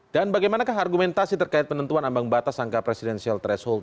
dan bagaimanakah argumentasi terkait penentuan ambang batas angka presidensial threshold